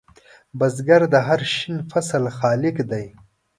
بزګر د هر شین فصل خالق دی